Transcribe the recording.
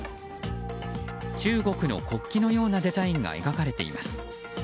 中国の国旗のようなデザインが描かれています。